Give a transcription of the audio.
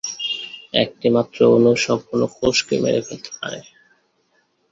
একটি মাত্র অণু একটি সম্পূর্ণ কোষকে মেরে ফেলতে পারে।